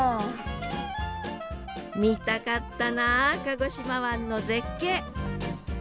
見たかったな鹿児島湾の絶景。